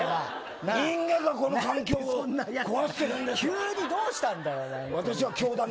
みんながこの環境を急にどうしたんだよ。